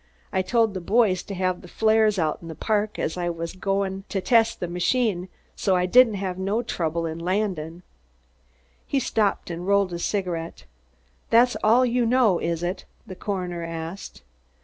I'd told the boys to have the flares out at the park as I was a goin' to test the machine, so I didn't have no trouble in landin'." He stopped and rolled a cigarette. "That's all you know, is it?" the coroner asked.